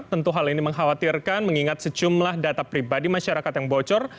tentu hal ini mengkhawatirkan mengingat sejumlah data pribadi masyarakat yang bocor